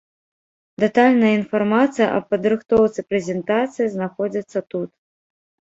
Дэтальная інфармацыя аб падрыхтоўцы прэзентацыі знаходзіцца тут.